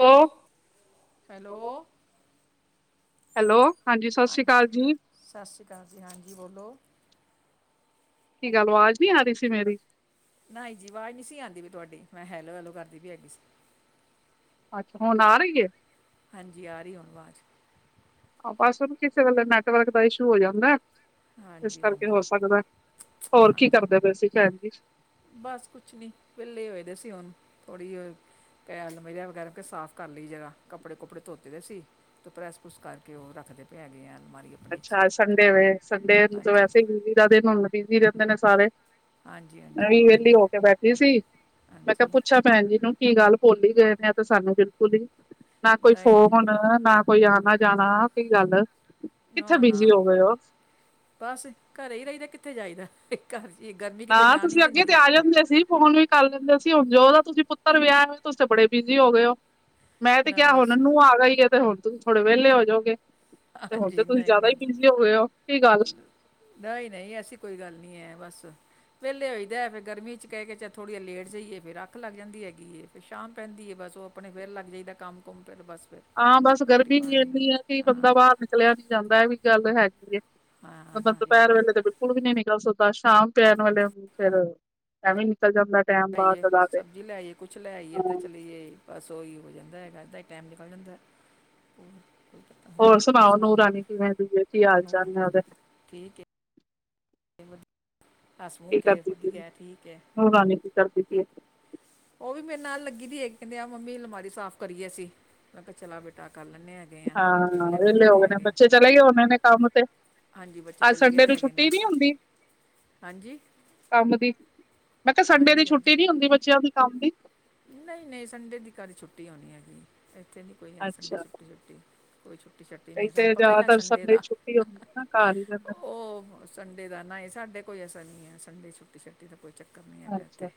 Hello hello hello, ਹਾਂਜੀ ਸਤਿ ਸ਼੍ਰੀ ਅਕਾਲ ਜੀ। ਸਤਿ ਸ਼੍ਰੀ ਅਕਾਲ ਜੀ, ਹਾਂਜੀ ਬੋਲੋ। ਕੀ ਗੱਲ ਅਵਾਜ ਨੀ ਆ ਰੀ ਸੀ ਮੇਰੀ? ਨਈ ਜੀ ਅਵਾਜ ਨੀ ਸੀ ਆਂਦੀ ਪੀ ਸੀ ਤੂਆਡੀ, ਮੈਂ ਹੈਲੋ, ਹੈਲੋ ਕਰਦੀ ਪੀ ਹੈਗੀ ਸੀ। ਅੱਛਾ, ਹੁਣ ਆ ਰਹੀ ਏ? ਹਾਂਜੀ, ਆ ਰਹੀ ਹੁਣ ਅਵਾਜ। ਬੱਸ ਓ ਕਿਸੇ ਵੇਲੇ ਨੈਟਵਰਕ ਦਾ ਇਸ਼ੂ ਹੋ ਜਾਂਦੈ ਇਸ ਹਾਂਜੀ ਕਰਕੇ ਹੋ ਹਾਂਜੀ ਸਕਦੈ, ਹੋਰ ਕੀ ਹਾਂਜੀ ਕਰਦੇ ਪਏ ਸੀ ਭੈਨ ਜੀ? ਬਸ ਕੁਛ ਨੀ ਵਿਹਲੇ ਹੋਏ ਦੇ ਸੀ ਹੁਣ, ਥੋੜ੍ਹੀ ਕੈਲ ਮਰਿਆ ਵਗੈਰਾ ਸਾਫ਼ ਕਰ ਲਈ ਜਗ੍ਹਾ ਕੱਪੜੇ- ਕੁੱਪੜੇ ਧੋਤੇ ਹੋਏ ਸੀ। ਤੇ ਪ੍ਰੈਸ, ਪ੍ਰਸ ਕਰਕੇ ਉਹ ਰੱਖਦੇ ਪਏ ਹੈਗੇ ਆ। ਅਲਮਾਰੀ ਆਪਣੇ 'ਚ ਅੱਛਾ, ਅੱਜ ਸੰਡੇ ਵੇ ਸੰਡੇ ਹਾਂਜੀ ਵੈਸੇ ਹੀ ਬਿਜੀ ਦਾ ਦਿਨ ਹੁਣ, ਬਿਜੀ ਰਹਿੰਦੇ ਨੇ ਸਾਰੇ। ਹਾਂਜੀ ਮੈਂ ਹਾਂਜੀ ਵੀ ਉਹੀ ਵੈੱਲੀ ਨਾ ਹੋ ਕੇ ਬੈਠੀ ਸੀ। ਮੈਂ ਕਿਹਾ ਹਾਂਜੀ ਪੁੱਛਾ ਭੈਣ ਜੀ ਨੂੰ ਕੀ ਗੱਲ, ਭੁੱਲ ਹੀ ਗਏ ਨੇ, ਤੇ ਸਾਨੂੰ ਬਿਲਕੁਲ ਹੀ? ਨਾ ਕੋਈ ਨਹੀਂ ਨਹੀਂ ਫੋਨ, ਨਾ ਕੋਈ ਆਉਣਾ - ਜਾਣਾ ਕੀ ਗੱਲ? ਕਿੱਥੇ ਨਾ, ਬਿਜੀ ਨਾ, ਹੋ ਕੋਈ ਗਏ ਨੀ। ਹੋ? ਬਸ ਘਰੇ ਹੀ ਰਹੀਦਾ, ਕਿੱਥੇ ਜਾਈਦਾ ਘਰ ਚ ਗਰਮੀ ਕਿਤੇ ਨਾ, ਜਾਣ ਨਹੀਂ ਤੁਸੀਂ ਅੱਗੇ ਤੇ ਦਿੰਦੀ ਆ ਜਾਂਦੇ ਸੀ। ਫੋਨ ਵੀ ਕਰ ਲੈਂਦੇ ਸੀ। ਹੁਣ ਜਦੋ ਦਾ ਤੁਸੀਂ ਪੁੱਤਰ ਵਿਆਹ ਹੋਏ, ਤੁਸੀਂ ਬੜੇ ਬਿਜੀ ਹੋ ਗਏ ਹੋ। ਮੈਂ ਤੇ ਨਾ ਕਿਹਾ, ਹੁਣ ਬਸ ਨੂੰਹ ਆ ਗਈ ਆ। ਤੇ ਹੁਣ ਤੁਸੀਂ ਥੋੜੇ ਵਿਹਲੇ ਹੋ ਜਾਓਗੇ। ਤੇ ਹੁਣ, ਤੇ ਹਾਂਜੀ ਤੁਸੀਂ ਨਹੀਂ ਜਿਆਦਾ ਨਹੀਂ ਹੀ ਬਿਜੀੀ ਹੋ ਗਏ ਹੋ, ਕੀ ਗੱਲ? ਨਹੀਂ, ਨਹੀਂ ਐਸੀ ਕੋਈ ਗੱਲ ਨਹੀਂ ਹੈ, ਬਸ। ਵੇਹਲੇ ਹੋਈਦਾ, ਫਿਰ ਗਰਮੀ 'ਚ ਕਹਿ ਕੇ ਚ ਥੋੜ੍ਹੀ ਜਿ ਲੇਟ ਜਈਏ, ਫਿਰ ਅੱਖ ਲੱਗ ਜਾਂਦੀ ਹੈਗੀ ਹੈ। ਤੇ ਸ਼ਾਮ ਪੈਂਦੀ ਹੈ, ਬਸ ਉਹ ਆਪਣੇ ਫਿਰ ਲੱਗ ਜਾਈਦਾ ਕੰਮ- ਕੁੁੰਮ। ਫਿਰ ਬਸ, ਫਿਰ ਹਾਂ, ਬਸ ਰੋਟੀ ਗਰਮੀ ਵੀ ਪਾਣੀ ਨੂੰ ਇੰਨੀ ਆ ਕਿ ਹਾਂ ਬੰਦਾ ਬਾਹਰ ਨਿਕਲਿਆ ਨੀ ਜਾਂਦਾ। ਇਹ ਵੀ ਗੱਲ ਹੈਗੀ। ਹਾਂ ਮਤਲਬ ਹਾਂਜੀ ਦੁਪਹਿਰ ਹਾਂਜੀ ਲੈ ਵੇਲੇ ਤੇ ਬਿਲਕੁਲ ਵੀ ਨੀ ਨਿਕਲ ਸਕਦੇ। ਸ਼ਾਮ ਪੈਣ ਵੇਲੇ ਫੇਰ ਏਵੈ ਵੀ ਨਿਕਲ ਜਾਂਦਾ। ਟੈਮ ਬਾਹਰ ਲੈਏ ਦਾ ਦਾ ਤੇ ਸਬਜ਼ੀ ਲੈ ਆਈਏ, ਕੁੱਛ ਲੈ ਆਈਏ, ਤੇ ਹਾਂ ਚਲੇ ਜਾਈਏ। ਬਸ, ਉਹੀ ਹੋ ਜਾਂਦਾ ਹੈ। ਤਾਂ ਟਾਈਮ ਨਿਕਲ ਜਾਂਦਾ। ਉਹ ਹੋਰ ਸੁਣਾਓ, ਨੂੰਹ ਰਾਣੀ ਕਿਵੇਂ ਜੀ ਏ ਕੀ ਹਾਲ ਨੂਰ ਚਾਲ ਨੇ ਉਹਦੇ? ਠੀਕ ਹੈ। ਹਸ- ਮੁੁਖ ਹੈ, ਵਧੀਆ ਠੀਕ ਏ। ਹੋ ਰਾਨੀ ਕੀ ਕਰਦੀ ਪਈ ਏ? ਉਹ ਵੀ ਮੇਰੇ ਨਾਲ ਲੱਗੀ ਦੀ ਕਹਿੰਦੇ ਆ, ਮੰਮੀ, ਅਲਮਾਰੀ ਸਾਫ਼ ਕਰੀਏ ਅਸੀਂ। ਮੈਂ ਕਿਹਾ ਚਲ ਆ ਬੇਟਾ, ਕਰ ਲੈਂਦੇ ਆਾਂ। ਹਾਂ, ਵਿਹਲੇ ਹੋ ਗਏ ਨੇ, ਬੱਚੇ ਚਲੇ ਗਏ ਹੋਣੇ ਨੇ ਕੰਮ ਤੇ? ਹਾਂਜੀ ਬੱਚੇ ਅੱਜ, ਚਲੇ ਗਏ ਸੰਡੇ ਦੇ ਨੂੰ ਹੈਗੇ ਨੇ ਛੁੱਟੀ ਨਹੀਂ ਹੁੰਦੀ? ਹਾਂਜੀ ਕੰਮ ਦੀ ਮੈਂ ਕਿਹਾ, ਸੰਡੇ ਦੀ ਹਾਂਜੀ ਹਾਂਜੀ ਛੁੱਟੀ ਨੀ ਹੁੰਦੀ ਬੱਚਿਆਂ ਦੀ ਕੰਮ ਦੀ? ਨਹੀਂ, ਨਹੀਂ ਸੰਡੇ ਦੀ ਕਦੇ ਛੁੱਟੀ ਹੋਣੀ ਹੈਗੀ ਇੱਥੇ ਨਹੀਂ ਸੰਡੇ ਅੱਛਾ ਛੁੱਟੀ ਛੱਟੀ, ਕੋਈ ਛੁੱਟੀ ਛੱਟੀ ਕਈ ਨਹੀਂ, ਸਾਨੂੰ ਤੇ ਪਤਾ ਹੀ ਨਹੀਂ ਗਾ ਜ਼ਿਆਦਾਤਰ ਸੰਡੇ ਦਾ ਛੁੱਟੀ ਹੁੰਦੀ ਹੈ ਨਾ ਘਰ ਹੀ ਰਹਿੰਦੇ ਉਹ! ਸੰਡੇ ਦਾ ਨਾ ਹੀ ਸਾਡੇ ਕੋਈ ਐਸਾ ਨਹੀਂ ਹੈ, ਸੰਡੇ ਛੁੱਟੀ ਛੱਟੀ ਦਾ ਕੋਈ ਚੱਕਰ ਨਹੀਂ ਹੈਗਾ ਇੱਥੇ।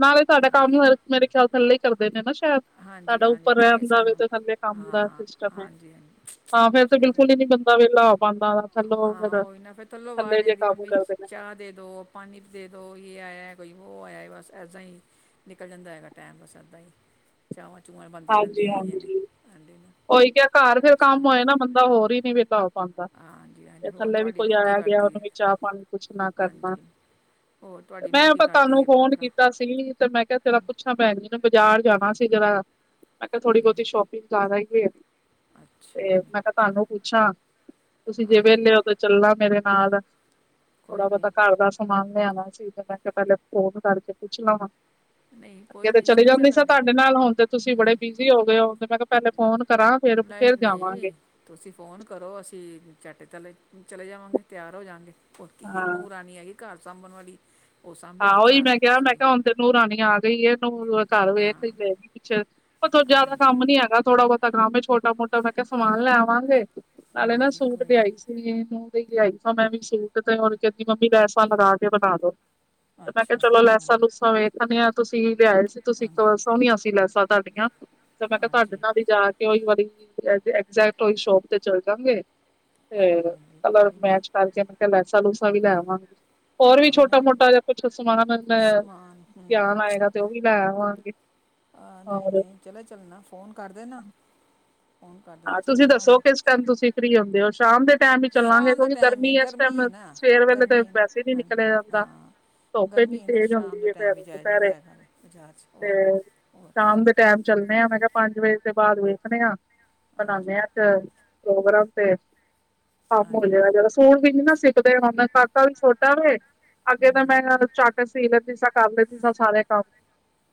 ਨਾ, ਵੀ ਸਾਡਾ ਕੰਮ ਹਾਂਜੀ ਨਹੀ ਹੋਇਆ ਮੇਰੀ ਖਿਆਲ ਥੱਲੇ ਕਰਦੇ ਨੇ ਨਾ, ਸ਼ਾਇਦ ਹਾਂਜੀ ਤੁਹਾਡਾ ਹਾਂਜੀ ਉੱਪਰ ਤਾਂ ਹੀ ਰਹਿਣ ਦਾ ਵੀ, ਸਾਨੂੰ ਤੇ ਥੱਲੇ ਕੰਮ ਦਾ ਹਾਂ ਸਿਸਟਮ ਹੈ। ਹਾਂਜੀ ਹਾਂਜੀ ਹਾਂ, ਫੇਰ ਤੇ ਸਹੀ ਬਿਲਕੁਲ ਗੱਲ ਹੀ ਨੀ ਬੰਦਾ, ਵੇਹਲਾ ਹੋ ਪਾਉਂਦਾ। ਥੱਲੋਂ ਹਾਂ, ਫਿਰ ਉਹ ਵੀ ਨਾ ਫੇਰ ਥੱਲੋਂ ਥੱਲੇ ਆਵਾਜ਼ ਜੇ ਜਾਂਦੀ। ਕੰਮ ਮੰਮੀ ਕਰਦੇ ਨੇ ਚਾਹ ਦੇ ਦੋ, ਪਾਣੀ ਦੇ ਦੋ ਇਹ ਆਇਆ, ਕੋਈ ਉਹ ਆਇਆ ਹੈ, ਬਸ ਏਦਾਂ ਹੀ ਨਿਕਲ ਜਾਂਦਾ ਹੈਗਾ ਟਾਈਮ ਬਸ ਏਦਾਂ ਹੀ, ਚਾਵਾਂ - ਚੂਵਆਂ ਬਣਦੀਆਂ ਹਾਂਜੀ ਰਹਿੰਦੀਆਂ ਹੈਗੀਆਂ ਨੇ, ਹਾਂਜੀ ਸੰਡੇ ਨੂੰ ਉਹੀ ਕਿਹਾ, ਘਰ ਫਿਰ ਕੰਮ ਹੋਏ ਨਾ, ਬੰਦਾ ਹੋਰ ਹੀ ਨੀ ਵਿਹਲਾ ਹੁੰਦਾ। ਪਾਉਂਦਾ, ਹਾਂਜੀ ਤੇ ਹਾਂਜੀ ਹੋਰ ਥੱਲੇ ਵੀ ਤੁਹਾਡੀ ਕੋਈ ਨੂੰਹ ਕੀ ਆਇਆ - ਗਿਆ ਕਰਦੀ ਉਹਨੂੰ ਹੈ ਵੀ ਚਾਹ ਪਾਣੀ ਪੁੱਛਣਾ ਕਰਨਾ ਹਾਂਜੀ ਹੋਰ ਤੇ ਤੁਹਾਡੀ ਮੈਂ, ਨੂੰਹ ਕੀ ਬਸ ਕਰਦੀ ਤੁਹਾਨੂੰ ਹੈ ਫੋਨ ਪੋਤਰਾ ਕੀਤਾ ਸੀ। ਸੀ ਨੀ, ਤੇ ਮੈਂ ਕਿਹਾ ਜਰਾ ਪੁੱਛਾਂ ਭੈਣ ਜੀ ਤੇ ਬਾਜ਼ਾਰ ਜਾਣਾ ਸੀ ਜ਼ਰਾ। ਮੈਂ ਕਿਹਾ, ਥੋੜੀ ਬਹੁਤੀ ਸ਼ੋਪਿੰਗ ਕਰ ਆਈ। ਤੇ ਅੱਛਾ ਜੀ ਮੈਂ ਕਿਹਾ, ਚਲੋ ਤੁਹਾਨੂੰ ਪੁੱਛਾਂ, ਤੁਸੀਂ ਜਿ ਹਾਂਜੀ ਵਿਹਲੇ ਓ ਤੇ ਚੱਲਨਾ ਮੇਰੇ ਨਾਲ ਕੋਈ ਥੋੜਾ ਬਹੁਤਾ ਨਹੀਂ ਘਰ ਦਾ ਸਮਾਨ ਲਿਆਉਣਾ ਸੀ, ਤੇ ਮੈਂ ਕਿਹਾ, ਪਹਿਲੇ ਫੋਨ ਕਰਕੇ ਪੁੱਛ ਲਵਾਂ। ਨਹੀਂ ਅੱਗੇ ਕੋਈ ਤੇ ਨਹੀਂ ਚਲੇ ਜਾਂਦੀ ਸਾਂ ਚੱਲਾਂਗੇ ਤੁਹਾਡੇ ਨਾਲ, ਹੁਣ ਤੇ ਤੁਸੀਂ ਬੜੇ ਬੀਜੀ਼ ਬਿਜ਼ੀ ਹੋ ਗਏ ਹੋ, ਤੇ ਮੈਂ ਕਿਹਾ ਪਹਿਲੇ ਫੋਨ ਕਰਾਂ ਨਹੀਂ ਫੇਰ ਜਾਵਾਂਗੇ। ਨਹੀਂ ਤੁਸੀਂ ਫ਼ੋਨ ਕਰੋ ਅਸੀਂ ਝੱਟ ਚਲੇ ਚਲੇ ਜਾਵਾਂਗੇ, ਤਿਆਰ ਹੋ ਜਾਵਗੇ। ਹੋਰ ਕੀ, ਹਾਂ ਨੂੰ ਰਾਣੀ ਆਈ ਘਰ ਸਾਂਭਣ ਵਾਲੀ ਉਹ ਹਾਂ ਸਾਂਭੇਗੀ ਉਹੀ ਘਰ ਮੈਂ ਕਿਹਾ ਮੈਂ ਤੁਸੀਂ ਕਿਹਾ ਹੁਣ ਤੈ ਨੂੰ ਰਾਣੀ ਆ ਗਈ ਏ ਹੁਣ ਤਾਂ ਘਰ ਵੇਖ ਈ ਹਾਂ ਲੇ ਗੀ ਪਿੱਛੇ ਜਿਆਦਾ ਹਾਂਜੀ ਕੰਮ ਨੀ ਹੈਗਾ ਥੋੜਾ ਬਹੁਤਾ ਕੰਮ ਐ, ਛੋਟਾ ਮੋਟਾ ਮੈਂ ਕੇ ਸਮਾਨ ਲੈਵਾਂਗੇ ਨਾਲੇ ਨਾ ਹਾਂਜੀ ਸੂਟ ਕੋਈ ਲਿਆਈ ਨਹੀਂ ਸੀ ਤੇ ਨੂੰ ਲਈ ਲਿਆਈ ਸਾਂ ਮੈਂ ਵੀ ਸੂਟ, ਤੇ ਹੁਣ ਕਹਿੰਦੀ ਮੰਮੀ ਲੈਸਾ ਲਗਾ ਕੇ ਬਣਾ ਦੋ ਤੇ ਮੈਂ ਕਿਹਾ ਅੱਛਾ ਚਲੋ ਅੱਛਾ ਹਾਂ ਲੈਸਾਂ ਲੂਸਾਂ ਵੇਖ ਆਨੀ ਆ, ਤੁਸੀਂ ਲਿਆਏ ਸੀ ਤੁਸੀਂ ਇੱਕ ਹਾਂਜੀ ਸੋਹਣੀਆਂ ਸੀ ਲੈਸਾਂ ਤੁਹਾਡੀਆਂ ਤੇ ਮੈਂ ਕਿਹਾ ਤੁਹਾਡੇ ਹਾਂਜੀ ਹਾਂਜੀ ਨਾਲ ਹੀ ਜਾ ਕੇ ਉਹੀ ਵਾਲੀ ਐਗਜੈਕਟ ਉਹੀ ਸ਼ੋਪ ਤੇ ਚੱਲ ਜਾਗੇ ਤੇ ਹਾਂਜੀ ਕਲਰ ਕੋਈ ਨਹੀਂ ਮੈਚ ਕਰਕੇ ਮੈਂ ਕਿਹਾ ਲੈਸਾ ਲੂਸਾ ਵੀ ਲੈਵਾਂਗੇ ਹੋਰ ਵੀ ਹਾਂ ਛੋਟਾ ਨਹੀਂ ਨਹੀਂ, ਮੋਟਾ ਜਿਹਾ ਕੁੱਛ ਸਮਾਨ ਮੈ ਸਮਾਨ ਹੂੰ ਧਿਆਨ ਆਏਗਾ, ਤੇ ਉਹ ਵੀ ਲੈ ਆਵਾਂਗੇ ਹਾਂ ਨਹੀਂ ਔਰ ਨਹੀਂ ਚਲੇ ਚੱਲਣਾ, ਫੋਨ ਕਰ ਦੇ ਨਾ ਹਾਂ ਤੁਸੀਂ ਦੱਸੋ ਕਿਸ ਟਾਈਮ ਤੁਸੀਂ ਫ੍ਰੀ ਹੁੰਦੇ ਹੋ ਸ਼ਾਮ ਦੇ ਸ਼ਾਮ ਦੇ ਟਾਈਮ ਹੀ ਚੱਲਾਂਗੇ ਸ਼ਾਮ ਦੇ ਕਿਉਂਕਿ ਟਾਈਮ ਗਰਮੀ ਹੈ ਇਸ ਟਾਈਮ ਹੈ ਨਾ ਸਵੇਰ ਵੇਲੇ ਤਾਂ ਗਰਮੀ ਹੈ ਨਾ ਵੈਸੇ ਹੀ ਨੀ ਹਾਂਜੀ ਨਿਕਲਿਆ ਜਾਂਦਾ ਹਾਂ ਧੂਪ ਇਨੀ ਗਰਮੀ ਹੈ ਨਾ ਤੇਜ਼ ਸ਼ਾਮ ਹੁੰਦੀ ਦੇ ਹੈ ਫੇਰ ਟਾਈਮ ਹੀ ਜਾਇਆ ਜਾਂਦਾ ਦੁਪਹਿਰੇ, ਹੈਗਾ ਵੇ ਬਾਜ਼ਾਰ 'ਚ ਹੋਰ ਨਾ ਤੇ ਹੋਰ ਸ਼ਾਮ ਵਿੱਚ ਟਾਈਮ ਚੱਲਣੇ ਆ ਮੈਂ ਕਿਹਾ ਪੰਜ ਵਜੇ ਤੋਂ ਬਾਅਦ ਵੇਖਣੇ ਆਾਂ ਮਨਾਉਦੇ ਹਾਂਜੀ ਹਾਂ ਤੇ ਪ੍ਰੋਗਰਾਮ ਤੇ ਕੰਮ ਹੋ ਹਾਂਜੀ ਜਾਏਗਾ ਜਿਹੜਾ ਸਕੂਲ ਵੀ ਨੀ ਨਾ ਸਿੱਖਦੇ ਹੁੰਣ ਕਾਕਾ ਵੀ ਛੋਟਾ ਵੇ ਅੱਗੇ ਤਾਂ ਮੈਂ ਇਨ੍ਹਾਂਨੂੰ ਚੱਕ ਕੇ ਸੀ ਲੈਂਤੀ ਸਾਂ ਕਰ ਲੈਂਤੀ ਸ ਸਾਰੇ ਕੰਮ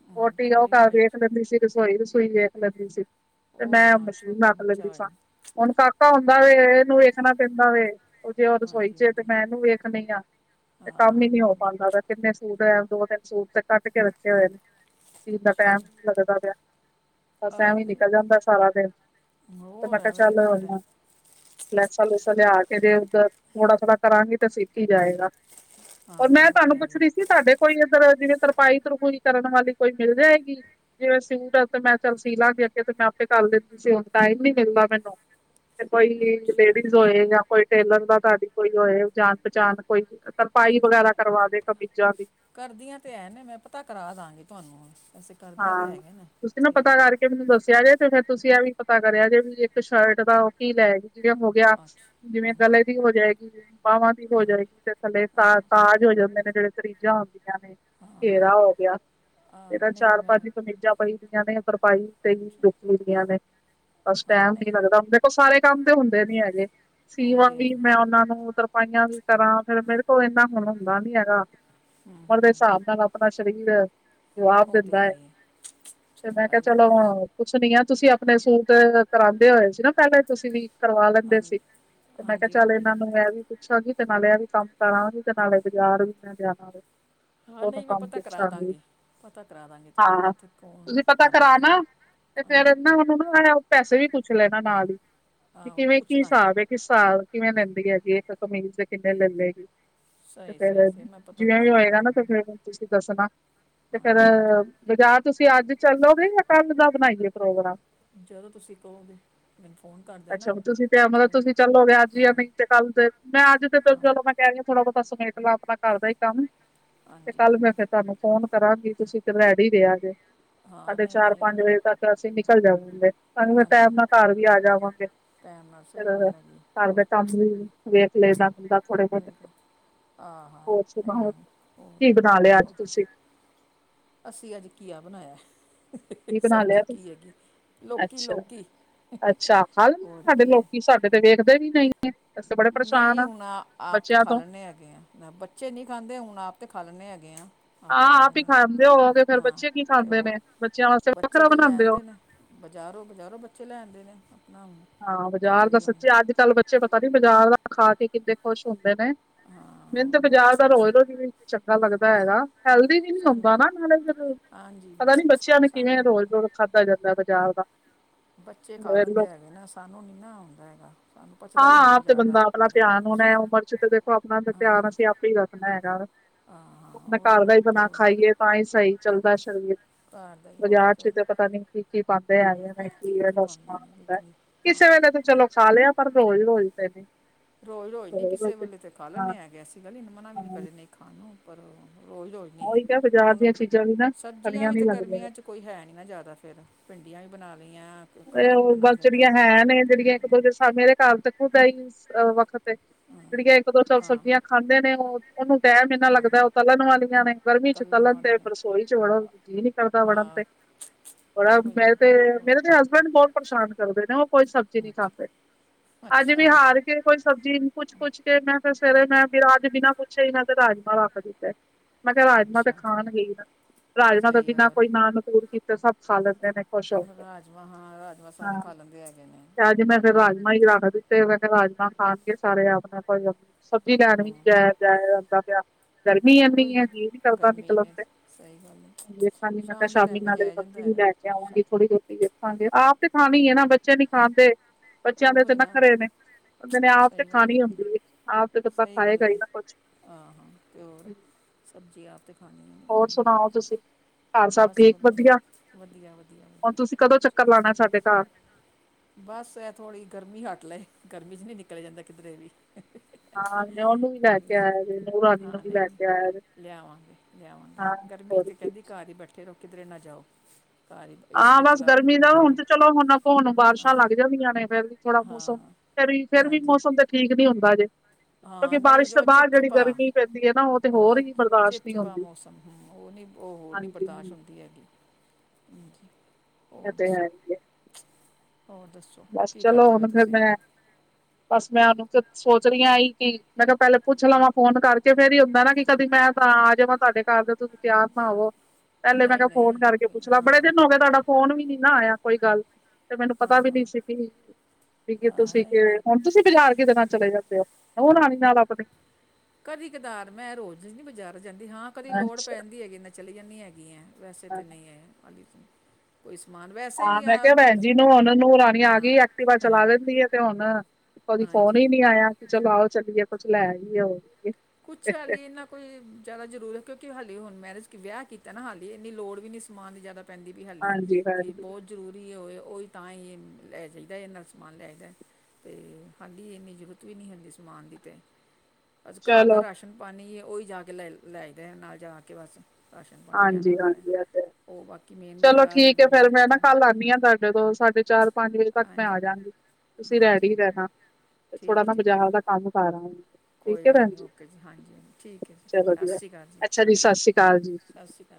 ਹਮ, ਵੋਟੀ ਉਹ ਕੋਈ ਘਰ ਹੋਏ ਵੇਖ ਲੈਂਦੀ ਸੀ ਰਸੋਈ ਰਸੋਈ ਵੇਖ ਲੈਂਦੀ ਸੀ ਤੇ ਉਹ ਹੋਏ ਮੈਂ ਨਾ ਹੁਣ ਛੋਟਾ ਰੱਖ ਬੱਚਾ ਲੈਂਦੀ ਹੋਏ ਸਾਂ, ਨਾ ਹੁਣ ਕਾਕਾ ਹੁੰਦਾ ਵੇ ਇਹਨੂੰ ਵੇਖਣਾ ਪੈਂਦਾ ਵੇ ਉਹ ਜੇ ਉਹ ਰਸੋਈ ਹਾਂਜੀ ਚੇ ਤੇ ਹਾਂਜੀ ਮੈਂ ਇਹਨੂੰ ਵੇਖਣੀ ਆ ਤੇ ਕੰਮ ਹੀ ਨਹੀਂ ਹੋ ਪਾਉਂਦਾ, ਦਾ ਕਿੰਨੇ ਸੂਟ ਦੋ ਤਿੰਨ ਸੂਟ ਤੇ ਕੱਟ ਕੇ। ਹੋਏ ਨੇ, ਸੀਨ ਦਾ ਅੱਛਾ ਟਾਈਮ ਜੀ ਹੀ ਨ ਲੱਗਦਾ ਪਿਆ, ਬਸ ਆ ਟਾਈਮ ਹੀ ਨਹੀਂ ਨਿਕਲ ਜਾਂਦਾ ਸਾਰਾ ਦਿਨ ਤੇ ਹੋਰ ਮੈਂ ਕੇਹਾ ਐਵੇਂ ਚੱਲ ਨਿਕਲਦਾ ਟਾਈਮ ਲੈਸਾਂ ਲੂਸਾਂ ਲਿਆ ਕੇ ਜੇ ਉਦ ਥੋੜਾ ਥੋੜਾ ਕਰਾਂਗੀ ਤਾਂ ਸਿੱਖ ਹੀ ਜਾਏਗਾ ਹੋਰ ਹਾਂ ਮੈਂ ਉਹ ਤੇ ਤੁਹਾਨੂੰ ਹੈ ਪੁੱਛ ਹੀ ਰਹੀ ਸੀ ਸਾਡੇ ਕੋਈ ਇੱਧਰ ਜਿਵੇਂ ਤਰਪਾਈ ਤਰਪੂਈ ਕਰਨ ਵਾਲੀ ਕੋਈ ਮਿਲ ਜਾਏਗੀ ਜਿਵੇਂ ਸੂਟ ਆ ਤੇ ਮੈਂ ਚੱਲ ਸੀ ਲਾਂਗੀ, ਅੱਗੇ ਤੇ ਮੈਂ ਆਪੇ ਕਰ ਦਿੰ ਹੁਣ ਟਾਈਮ ਨੀ ਮਿਲਦਾ ਮੈਨੂੰ, ਤੇ ਕੋਈ ਅੱਛਾ ਲੇਡੀਜ਼ ਹੋਏ ਜਾਂ ਕੋਈ ਟੇਲਰ ਦਾ ਤੁਹਾਡੀ ਕੋਈ ਹੋਏ ਜਾਣ ਪਹਚਾਣ, ਕੋਈ ਤਰਪਾਈ ਹਾਂਜੀ ਮੈਂ ਵਗੈਰਾ ਕਰਵਾ ਦੇ ਕਮੀਜ਼ਾਂ ਦੀ ਕਰਦੀਆਂ ਤੇ ਹੈ ਨੇ, ਮੈਂ ਪਤਾ ਕਰਾ ਦਾਂਗੀ ਤੁਹਾਨੂੰ ਹੁਣ ਵਸੇ ਹਾਂ, ਤੁਸੀਂ ਨਾ ਪਤਾ ਕਰਕੇ ਮੈਨੂੰ ਦੱਸਿਆ ਜੇ ਤੇ ਫੇਰ ਤੁਸੀਂ ਇਹ ਵੀ ਪਤਾ ਕਰਿਆ ਜੇ ਵੀ ਇੱਕ ਸ਼ਰਟ ਦਾ ਉਹ ਕੀ ਲੈ ਰਹੀ। ਜਿਵੇ ਹੋ ਗਿਆ, ਅੱਛਾ ਜਿਵੇਂ ਹਾਂਜੀ ਗੱਲੇ ਹਾਂਜੀ ਦੀ ਹੋ ਜਾਏਗੀ। ਬਾਵਾਂ ਦੀ ਹੋ ਹਾਂਜੀ ਜਾਏਗੀ ਤੇ ਥੱਲੇ ਸ- ਕਾਜ ਹੋ ਜਾਂਦੇ ਨੇ ਜਿਹੜੇ ਤਰੀਜਾਂ ਹੁੰਦੀਆਂ ਨੇ ਹਾਂ ਹਾਂ ਘੇਰਾ ਹੋ ਗਿਆ, ਆ, ਏਦਾ ਨਹੀਂ ਚਾਰ ਮੈਂ ਮੇਜ਼ਾਂ ਪਈ ਦੀਆਂ ਨੇ ਤਰਪਾਈ ਤੇਈ ਰੁਕੀ ਦੀਆਂ ਨੇ, ਬਸ ਹਾਂ ਟੈਮ ਨੀ ਨਹੀਂ ਲੱਗਦਾ ਹੋਦਾ ਐ। ਸਾਰੇ ਕੰਮ ਤੇ ਹੁੰਦੇ ਨੀ ਹੈਗੇ ਉਹ ਤੇ ਸੀਵਾਂਗੀ ਆਈ ਹੈ ਮੈਂ ਜੀ ਉਹਨਾਂ ਨੂੰ ਮਤਲਬ ਸਫਾਈਆਂ ਵੀ ਕਰਾਂ ਫੇ ਮੇਰੇ ਕੋਲ ਇੰਨਾ ਹੁਣ ਹੁੰਦਾ ਨੀ ਹੈਗਾ। ਹੂੰ ਉਮਰ ਦੇ ਹੂੰ ਹਿਸਾਬ ਨਾਲ ਆਪਣਾ ਸਰੀਰ ਐ, ਜਵਾਬ ਉਹ ਤੇ ਦਿੰਦਾ ਐ। ਆਈ ਹੈ ਤੇ ਸਹੀ ਮੈਂ ਕਿਹਾ ਗੱਲ ਹੈ ਚਲੋ ਹੁਨ ਪੁੱਛ ਨੀ ਆ ਤੁਸੀਂ ਆਪਣੇ ਸੂਟ ਕਰਾਉਂਦੇ ਹੋਏ ਸੀ ਨਾ ਪਹਿਲੇ ਤੁਸੀਂ ਵੀ ਕਰਵਾ ਹਾਂ ਲੈਂਦੇ ਸੀ, ਤੇ ਮੈਂ ਕਿਹਾ ਹਾਂਜੀ ਚੱਲ ਹਾਂਜੀ ਇਹਨਾਂ ਨੂੰ ਮੈ ਵੀ ਇਕ ਅੱਛਾ ਜੀ ਤੇ ਨਾਲਿਆਂ ਏ ਵੀ ਕੰਮ ਕਰਾਂਗੀ ਤੇ ਨਾਲੇ ਬਾਜ਼ਾਰ ਵੀ ਮੈਂ ਦੇ਼ ਆਵਾ ਗੀ। ਹੋਰ ਨੀ ਮੈਂ ਪਤਾ ਕਰਾਦਾਂ ਗੀ, ਪਤਾ ਕਰਾਦਾ ਗੀ। ਹਾਂ, ਤੁਸੀਂ ਪਤਾ ਕਰਾ ਨਾ, ਤੇ ਹਾਂਜੀ ਫੇਰ ਨਾ ਉਨੂੰ ਨਾ ਉ ਪੈਸੇ ਵੀ ਪੁੱਛ ਲੈਣਾ ਨਾਲ ਈ, ਕੀ ਆਹੋ ਕਿਵੇਂ ਕੀ ਪੁੱਛ ਦਾਂਗੀ ਹਿਸਾਬ ਏ। ਕਿ ਹਿਸਾਬ ਕਿਵੇਂ ਲੈਂਦੀ ਹੈਗੀ ਐ, ਇੱਕ ਕਮੀਜ਼ ਦੇ ਕਿੰਨੇ ਲੈੇ ਲੈਗੀ। ਤੇ ਸਹੀ ਸਹੀ ਫੇਰ ਸਹੀ ਮੈਂ ਪਤਾ ਜਿਵੇਂ ਵੀ ਕਰਾ ਦਾਂਗੀ ਹੋਏਗਾ ਨਾ ਤੇ ਤੁਹਾਨੂੰ ਫਿਰ ਤੁਸੀਂ ਦੱਸਣਾ, ਤੇ ਫੇਰ ਹਾਂਜੀ ਹਾਂਜੀ ਬਾਜਾਰ ਤੁਸੀਂ ਅੱਜ ਚੱਲੋਗੇ ਜਾਂ ਕੱਲ ਦਾ ਬਣਾਈਏ ਪ੍ਰੋਗਰਾਮ? ਜਦੋਂ ਤੁਸੀਂ ਕਹੋਗੇ, ਮੈਨੂੰ ਫੋਨ ਕਰਦੇ ਨਾ, ਤੇ ਚਲੋ ਗਿਆ ਜ ਆ ਨਹੀਂ ਤੇ ਕੱਲ ਤੇ, ਮੈਂ ਅੱਜ ਤੇ ਜਦੋਂ ਮੈਂ ਕਹਿ ਰਹੀ ਥੋੜਾ ਬਹੁਤਾ ਸਮੇਟ ਲਾਂ ਆਪਣਾ ਘਰ ਦਾ ਹੀ ਕੰਮ। ਤੇ ਹਾਂਜੀ ਕੱਲ ਮੈਂ ਹਾਂਜੀ। ਫੇਰ ਤੁਹਾਨੂੰ ਫੋਨ ਕਰਾਂਗੀ ਤੁਸੀਂ ਫੇਰ ਰੈਡੀ ਰਿਹਾ ਜੇ। ਹਾਂ ਸਾਡੇ ਨਹੀਂ ਨਹੀਂ ਚਾਰ-ਪੰਜ ਵਜੇ ਤੱਕ ਅਸੀਂ ਨਿਕਲ ਜਾਵਾਂਗੀ ਆ। ਨਾਲੇ ਟਾਈਮ ਹਾਂਜੀ ਨਾਲ ਘਰ ਵੀ ਆ ਜਾਵਾਂਗੇ। ਟਾਈਮ ਨਾਲ ਸਹੀ ਫੇਰ ਗੱਲ ਹੈ ਜੀ ਘਰ ਹੋਰ ਦਾ ਕੰਮ ਵੀ ਵੇਖ ਲਏ ਦਾ ਹੁੰਦਾ ਥੋੜੇ ਬੋਤ, ਨਹੀਂ ਤੇ ਆਹਾ ਹੋਰ ਨਹੀਂ ਸੁਣਾਓ ਹੋਰ ਨਹੀਂ ਹੋਰ ਕੀ ਬਣਾ ਲਿਆ ਅੱਜ ਹੋਰ। ਤੁਸੀਂ? ਅਸੀਂ ਅੱਜ ਘੀਆ ਬਣਾਇਆ। [unintelligible] ਸਬਜ਼ੀ ਘੀਏ ਦੀ। ਅੱਛਾ-ਅੱਛਾ ਖਾ ਲੈਂਦੇ ਨੇ ਹੋਰ ਤਾਡੇ ਕੀ ਹੈ ਲੋਕੀ, ਸਾਡੇ ਤੇ ਵੇਖਦੇ ਵੀ ਨਹੀਂ ਐ। ਨਹੀਂ ਹੁਣ, ਆਪ ਤਾਂ ਖਾ ਤੋਂ ਲੈਂਣੇ ਹੈਗੇ ਆ। ਬੱਚੇ ਨਹੀਂ ਖਾਂਦੇ ਹੁਣ ਆਪ ਤੇ ਖਾ ਲੈਂਣੇ ਹੈਗੇ ਆ। ਆਪ ਤੇ ਆਹ ਖਾ ਹੀ ਲੈਣੇ ਆ। ਖਾਂਦੇ ਹੋਗੇ ਫੇਰ ਹਾਂ, ਬੱਚੇ ਕੀ ਤੇ ਖਾਂਦੇ ਨੇ ਹੋਰ ਬੱਚਿਆਂ ਵਾਸਤੇ ਬੱਚੇ ਵੱਖਰਾ ਫੇਰ ਲੈਣ ਬਣਾਉਂਦੇ ਹੋ ਦੇ ਨੇ ਬਜ਼ਾਰੋਂ-ਬਜ਼ਾਰੋਂ ਬੱਚੇ ਲੈਦੇ ਨੇ ਆਪਣਾ ਹਾਂ, ਕੀ ਬਾਜ਼ਾਰ ਦਾ ਕਰੀਏ ਹੁਣ ਸੱਚੇ ਅੱਜ-ਕੱਲ ਬੱਚੇ ਪਤਾ ਨੀ ਬਾਜ਼ਾਰ ਦਾ ਖਾ ਕੇ ਕਿੰਨੇ ਖੁਸ਼ ਹੁੰਦੇ ਨੇ। ਹਾਂ ਮੈਨੂੰ ਉਹ ਤੇ ਵੀ ਨਾ ਬਾਜ਼ਾਰ ਦਾ ਰੋਜ- ਰੋਜ ਵੀਨੀ ਚੰਗਾ ਲੱਗਦਾ ਹੈਗਾ। ਹੈਲਦੀ ਵੀ ਨੀ ਆਉਂਦਾ ਸਾਨੂੰ ਨਾ ਨਾਲੇ ਫਿਰ, ਹਾਂਜੀ ਪਤਾ ਨੀ ਬੱਚਿਆਂ ਨੂੰ ਕਿਵੇਂ ਸਾਨੂੰ ਰੋਜ਼-ਰੋਜ਼ ਖਾਧਾ ਜਾਂਦਾ ਬਾਜ਼ਾਰ ਦਾ ਬੱਚੇ ਖਾ ਲੈਂਦੇ ਹੈਗੇ ਨਾ ਸਾਨੂੰ ਨੀ ਨਾ ਆਉਂਦਾ ਹੈਗਾ। ਸਾਨੂੰ ਪਚਦਾ ਵੀ ਨਹੀਂ ਹਾਂ, ਆਪ ਤੇ ਬਾਜ਼ਾਰ ਦਾ ਬੰਦਾ ਆਪਣਾ ਜ਼ਿਆਦਾ ਧਿਆਨ ਹੋਣ ਐਹ ਉਮਰ ਚ ਤੇ ਦੇਖੋ ਆਪਣਾ ਹਾਂ ਧਿਆਨ ਅਸੀਂ ਆਪ ਸਰੀਰ ਆਪਨਾ ਹੈਗਾ ਵਾ, ਹਾਂ ਹਾਂ ਆਪਣੇ ਹੋਰ ਘਰ ਨਾ ਦਾ ਹੀ ਤੇ ਬਣਾ ਹੋਰ ਖਾਈਏ ਤਾਂ ਹੀ ਸਹੀ ਚੱਲਦਾ ਸਰੀਰ ਘਰ ਦਾ ਹੀ ਹੋਰ ਬਾਜ਼ਾਰ ਤੇ ਚ ਹੋਰ ਤਾਂ ਪਤਾ ਨੀ ਕੀ-ਕੀ ਪਾਾਂਦੇ ਹੈਗੇ। ਕੀ ਕੀਵੇ ਕੀ ਦਾ ਪਾਉਂਦੇ ਸਮਾਨ ਨੇ ਤੇ ਹੁੰਦਾ ਐ। ਕੀ ਹਾਂ ਕਿਸੇ ਵੇਲੇ ਤਾਂ ਚਲੋ ਖਾ ਲਿਆ, ਪਰ ਰੋਜ਼-ਰੋਜ਼ ਤੇ ਨੀ ਰੋਜ਼- ਰੋਜ਼ ਨੀ ਕਿਸੇ ਵੇਲੇ ਤੇ ਖਾ ਲੈਦੇ ਹੈਗੇ ਆ ਅਸੀ ਵੀ। ਐਸੀ ਗੱਲ ਨੀ ਮਨਾ ਵੀ ਨੀ ਹਾਂ ਕਰੀਦੀ ਨਹੀਂ ਖਾਣ ਨੂੰ ਪਰ ਰੋਜ਼-ਰੋਜ਼ ਨੀ, ਉਹੀ ਤਾਂ ਬਾਜ਼ਾਰ ਹੁਣ, ਦੀਆਂ ਚੀਜ਼ਾਂ ਵੀ ਨਾ ਸਬਜ਼ੀਆਂ ਚੰਗੀਆਂ ਵੀ ਚ ਨੀ ਤੇ ਲੱਗਦੀਆਂ ਗਰਮੀਆਂ ਚ ਕੋਈ ਹੈ ਨਹੀਂ ਨਾ ਜ਼ਿਆਦਾ ਫਿਰ, ਭਿੰਡੀਆਂ ਵੀ ਬਣਾ ਲਈਆਂ। ਕ- ਕਟਹਲ ਵੀ ਉਹ ਬਣਾ ਲਿਆਦਾ ਬਚੜੀਆਂ ਹੈ ਨੀ ਤੇ ਜਿਹੜੀਆਂ ਇੱਕ- ਮਤਲਬ, ਦੂਜੇ ਸਮੇਂ ਦੇ ਘਰ ਤ ਖੁਦਾ ਏਹੀ ਵਖਤ [unintelligible] ਜਿਹੜੀਆਂ ਇੱਕ-ਦੋ ਚੱਲ ਹਾਂ ਸਬਜ਼ੀਆਂ ਖਾਂਦੇ ਨੇ ਉਹ ਉਹਨੂੰ ਟਾਇਮ ਇੰਨਾ ਲੱਗਦਾ ਉਹ ਤਲਣ ਵਾਲੀਆਂ ਨੇ ਗਰਮੀ ਚ ਤਲਣ ਤੇ ਰਸੋਈ ਚ ਵੜਨ ਦੀ ਜੀਅ ਨੀ ਕਰਦਾ ਵੜਨ ਹਾਂ ਤੇ, ਬੜਾ ਉਹ ਹੀ ਮੇ ਨਾ ਤੇ ਹੋਰ ਮੇਰੇ ਤੇ ਹਸ ਮੈਨੂੰ ਬਹੁਤ ਪਰੇਸ਼ਾਨ ਕਰਦੇ ਨੇ ਉਹ ਕੋਈ ਸਬਜ਼ੀ ਨਹੀਂ ਖਾਂਦੇ, ਅੱਛਾ ਅੱਜ ਵੀ ਅੱਛਾ ਹਾਰ ਕੇ। ਕੋਈ ਸਬਜ਼ੀ ਨਹੀਂ, ਪੁੱਛ - ਪੁੱਛ ਕੇ ਮੈਂ ਫਿਰ ਸਵੇਰੇ, ਮੈਂ ਵੀ ਰਾਜ ਬਿਨਾਂ ਪੁੱਛਿਆ ਹੀ ਮੈਂ ਤੇ ਰਾਜਮਾਂ ਰੱਖ ਦਿੱਤੇ। ਮੈਂ ਕਿਹਾ, ਰਾਜਮਾਂ ਤੇ ਅੱਛਾ ਜੀ, ਖਾਣਗੇ ਹੀ ਨਾ, ਰਾਜਮਾਂ ਤੋਂ ਸਹੀ ਹੈ ਬਿਨਾਂ ਹੋਰ ਕੋਈ ਨਾ ਨਕੂਰ। ਸਭ ਖਾ ਲੈਂਦੇ ਨੇ। ਖੁਸ਼ ਹੋ ਕੇ ਰਾਜਮਾਂ, ਹਾਂ, ਰਾਜਮਾਂ ਸਾਰੇ ਹਾਂ ਖਾ ਲੈਂਦੇ ਹੈਗੇ ਨੇ। [unintelligible] [inaudible] ਤੇ ਉਹ ਕਹਿੰਦੇ, ਰਾਜਮਾਂ ਖਾਣਗੇ, ਸਾਰੇ [unintelligible] ਆਪਣੇ- ਆਪ, ਸਬਜ਼ੀ ਲੈਣ ਵੀ ਨਹੀਂ ਜਾਇਆ ਜਾਇ ਜਾਂਦਾ ਪਿਆ। ਪਿਆ। ਗਰਮੀ ਉਹ ਹੀ ਐਨੀ ਨਾ ਹੈਗੀ ਏ, ਜੀ ਨੀਂ ਕਰਦਾ ਗਰਮੀ ਨਿਕਲਣ ਨੇ ਤੇ, ਸਹੀ ਗੱਲ ਹੈ ਵੇਖਾਂਗੀ, ਮੈਂ ਕਿਹਾ, ਸ਼ਾਮ ਦੇ ਸ਼ਾਮੀ ਟਾਈਮ ਵੀ ਨਾਲੇ ਜਾਇਆ ਸਬਜ਼ੀ ਜਾਂਦਾ ਵੀ ਹੈ ਲੈ। ਸ਼ਾ- ਲਿਆਵਾਂਗੀ ਥੋੜ੍ਹੀ ਬੋਤੀ ਦੇਖਾਂਗੇ, ਆਪ ਤੇ ਖਾਣੀ ਹੀ ਹੈ ਨਾ, ਬੱਚੇ ਨੀ ਖਾਂਦੇ। ਬੱਚਿਆਂ ਦੇ ਉਹ ਤੇ ਹੀ ਨਾ ਨਖਰੇ ਨੇ। [unintelligible] ਓਨੇ ਆਪ ਤੇ ਸਹੀ ਗੱਲ ਖਾਣੀ ਹੈਗੀ ਨੇ ਹੁੰਦੀ ਏ, ਆਪ ਤੇ ਬੰਦਾ ਖਾਏਗਾ ਹੀ ਨਾ ਕੁਛ ਆਹੋ, ਤੇ ਹੋਰ, ਸਬਜ਼ੀ ਆਪ ਤੇ ਖਾਣੀ ਹੀ ਹੋਰ ਖਾਣੀ ਏ। ਸੁਣਾਓ ਤੁਸੀਂ ਘਰ ਸਭ ਬਸ, ਠੀਕ ਵਧੀਆ, ਹੁਣ ਵਧੀਆ-ਵਧੀਆ-ਵਧੀਆ। ਤੁਸੀਂ ਕਦੋਂ ਚੱਕਰ ਲਾਣਾ ਸਾਡੇ ਘਰ ਬਸ, ਇਹ ਥੋੜ੍ਹੀ ਗਰਮੀ ਹੱਟ ਲਏ, ਗਰਮੀ ਚ ਨੀ ਨਿਕਲਿਆ ਜਾਂਦਾ, ਕਿਧਰੇ ਵੀ। ਹਾਂ, ਨਯੁ ਨੂੰ ਵੀ ਲੈ ਕੇ ਕਰੀ ਆਇਆ ਸੀ ਹੈ, ਨਊ ਰਾਣੀ ਨੂੰ ਹਾਂ ਵੀ ਲੈ ਨਹੀਂ ਕੇ ਆਇਆ। ਲਿਆਵਾਂਗੇ ਲਿਆਵਾਂਗੇ ਹਾਂ, ਗਰਮੀ ਹੋਰ 'ਚ ਕੀ। ਕਹਿੰਦੀ ਘਰ ਹੀ ਬੈਠੇ ਰਹੋ, ਕਿਧਰੇ ਨਾ ਜਾਓ। ਘਰ ਹੀ ਹਾਂ, ਏਸੀ ਬਸ, ਚਲਾਓ ਗਰਮੀ ਦਾ ਬੈਠੇ ਹੁਣ ਰਹੋ ਤੇ ਚਲੋ, ਹੁਣ ਅਗੋਂ, ਹੁਣ ਬਾਰਿਸ਼ਾਂ ਹਾਂ ਲੱਗ ਜਾਂਦੀਆਂ ਨੇ ਫਿਰ। ਥੋੜਾ ਮੌਸਮ, ਹਾਂ ਫੇਰ ਵੀ, ਫੇਰ ਵੀ ਹਾਂਜੀ ਮੌਸਮ ਤੇ ਠੀਕ ਨੀ ਹੁੰਦਾ ਜੇ। ਕਿਉਂਕਿ ਹਾਂ ਨਹੀਂ ਬਾਰਿਸ਼ ਤੋਂ ਜੋ ਬਾਅਦ ਜਿਹੜੀ ਚਿਪਚਿਪਾ ਗਰਮੀ ਪੈਂਦੀ ਹੈ ਨਾ, ਉਹ। ਤੇ ਹੋਰ ਉਹ ਹੀ ਬਰਦਾਸ਼ਤ ਨਹੀਂ ਚਿਪ-ਚਿਪਾ ਹੁੰਦੀ ਮੌਸਮ ਹਮਮ, ਉਹ ਹੋਰ ਨੀਂ, ਉਹ ਹੋਰ ਨਹੀਂ ਹਾਂਜੀ ਬਰਦਾਸ਼ਤ ਹਾਂਜੀ ਹੁੰਦੀ ਹੈਗੀ। ਹਾਂਜੀ, ਇਹ ਹੋਰ ਤੇ ਹੈ ਦੱਸੋ, ਹੀ ਹੈ ਹੋਰ ਦੱਸੋ। ਬਸ ਕੀ ਚਲੋ, ਕਰਦੇ ਵੇ ਹੁਣ ਫੇਰ ਤੁਸੀਂ ਮੈਂ, ਬਸ ਮੈਂ ਉਹਨੂੰ ਸੋਚ ਰਹੀ ਆ ਇਂ ਕਿ ਮੈਂ ਕਿਹਾ, ਪਹਿਲੇ ਪੁੱਛ ਲਵਾਂ ਫੋਨ ਕਰਕੇ, ਫੇਰ ਏਹੀ ਹੁੰਦਾ ਨਾ, ਕਦੀ ਮੈਂ ਤਾਂ ਆ ਜਾਵਾਂ ਤੁਹਾਡੇ ਘਰ, ਤੇ ਤੁਸੀਂ ਤਿਆਰ ਨਾ ਹੋਵੋ। ਪਹਿਲੇ ਮੈਂ ਨਹੀਂ ਕਿਹਾ, ਫੋਨ ਨਹੀਂ ਕਰਕੇ ਕੋਈ ਪੁੱਛ ਨਾ, ਲਵਾਂ, ਬੜੇ ਹਾਂ ਦਿਨ ਹੋ ਗਏ, ਤੁਹਾਡਾ ਫੋਨ ਵੀ ਨੀ ਨਾ ਆਇਆ। ਕੋਈ ਗੱਲ। ਤੇ ਮੈਨੂੰ ਪਤਾ ਵੀ ਹਾਂ ਨਹੀਂ ਸੀ ਕਿ। [unintelligible] ਹਾਂ ਤੁਸੀਂ ਨਹੀਂ ਕਿਵੇਂ, ਨਹੀਂ ਹੁਣ ਤੁਸੀਂ ਬਾਜ਼ਾਰ ਕਿੰਦੇ ਨਾਲ ਚਲੇ ਜਾਂਦੇ ਹੋ, ਨੂੰਹ ਰਾਣੀ ਨਾਲ ਆਪਣੀ। ਕਦੀ ਕਦਾਰ, ਮੈਂ ਰੋਜ਼ ਨੀ ਬਾਜ਼ਾਰ ਜਾਂਦੀ, ਹਾਂ ਕਦੀ ਲੋੜ ਅੱਛਾ ਪੈਂਦੀ ਹੈਗੀ, ਮੈਂ ਚਲੀ ਜਾਂਦੀ ਹੈਗੀ। ਵੈਸੇ ਤਾਂ ਨਹੀਂ ਏ ਅਲੀ [unintelligible] ਹਾਂ, ਮੈਂ ਕਿਹਾ ਭੈਣ ਜੀ ਨੂੰ ਹੁਣ, ਨੂੰਹ ਰਾਣੀ ਆ ਹਾਂ ਗਈ, ਐਕਟੀਵਾ ਚਲਾ ਲੈਂਦੀ ਆ ਤੇ ਹੁਣ। ਕਦੀ ਫੋਨ ਹਾਂਜੀ ਹੀ ਨੀ ਆਇਆ, ਕਿ ਚਲੋ ਆਓ ਚੱਲੀਏ, ਕੁੱਛ ਲੈ ਆਈਏ ਹੋਰ ਕਿ। ਕੁਛ ਆਲੀ ਏਨਾ। ਕੋਈ ਜ਼ਿਆਦਾ ਜ਼ਰੂਰ ਤ, ਕਿਉਂਕਿ ਹਾਲੀ, ਹੁਣ ਮੈਰਜ-ਵਿਆਹ ਕੀਤਾ ਨਾ ਹਾਲੀ, ਇੰਨੀ ਲੋੜ ਵੀ ਇਨੀ ਸਮਾਨ ਦੀ ਜ਼ਿਆਦਾ। ਪੈਂਦੀ ਪਈ ਹਾਲੀ, ਹਾਂਜੀ ਕਿ ਹਾਂਜੀ ਬਹੁਤ। ਜ਼ਰੂਰੀ ਹੋਵੇ, ਉਹੀ ਤਾਂ ਹੀ ਲੈ ਜਾਈਦਾ, ਐਨਾ ਸਮਾਨ ਲੈ ਜੈਦੇ ਅਤੇ ਹਾਡੀ, ਇੰਨੀ ਜ਼ਰੂਰਤ ਵੀ ਨਹੀਂ ਹੈਗੀ ਸਮਾਨ ਦੀ ਤੇ ਬਸ ਘਰ ਦਾ ਚਲੋ ਰਾਸ਼ਨ ਪਾਣੀ, ਉਹੀ ਜਾ ਕੇ ਲੈ, ਲੈ ਆਈਦੈ ਨਾਲ ਜਾ ਕੇ ਬਸ। ਰਾਸ਼ਨ ਪਾਣੀ ਲੈਣਾ ਹਾਂਜੀ, ਹੁੰਦਾ ਹੈ ਹਾਂਜੀ ਆ ਤਾਂ ਐ ਉਹ ਬਾਕੀ ਮੇਨ। ਚਲੋ ਬਾਜ਼ਾਰ ਠੀਕ ਹੈ, ਵੱਡੀ ਫੇਰ ਮੈਂ ਮਾਰਕੀਟ ਨਾ ਜਾਣਾ ਕੱਲ ਆਉਂਦੀ ਹਾਂ ਤੁਹਾਡੇ ਕੋਲ, ਸਾਢੇ ਚਾਰ-ਪੰਜ ਵਜੇ ਤੱਕ ਮੈਂ ਹਾਂਜੀ ਆਜਾਂਗੀ। ਤੁਸੀਂ ਹਾਂਜੀ ਰੈਡੀ ਹੀ ਹਾਂਜੀ ਰਹਿਣਾ। ਠੀਕ। ਠੀਕ ਬਜਾਰ ਦਾ ਕੰਮ ਕਰ ਆਵਾਂ। ਠੀਕ ਕੋਈ ਹੈ ਗੱਲ ਭੈਣ ਨਹੀਂ ਜੀ, ਓਕੇ ਹਾਂਜੀ ਹਾਂਜੀ ਠੀਕ ਹੈ ਜੀ ਚਲੋ ਸਤਿ ਵਧੀਐ, ਸ਼੍ਰੀ ਅਕਾਲ ਅੱਛਾ ਜੀ ਸਤਿ ਸ੍ਰੀ ਅਕਾਲ ਜੀ। ਸਤਿ ਸ਼੍ਰੀ ਅਕਾਲ ਜੀ